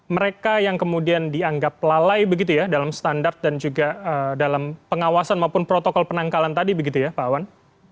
mereka yang kemudian dianggap lalai begitu ya dalam standar dan juga dalam pengawasan maupun protokol penangkalan tadi begitu ya pak awan